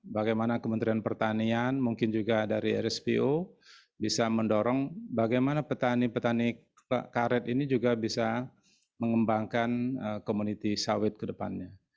bagaimana kementerian pertanian mungkin juga dari rspo bisa mendorong bagaimana petani petani karet ini juga bisa mengembangkan komuniti sawit ke depannya